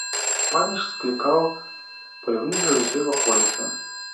Паніч склікаў паляўнічых з усёй ваколіцы.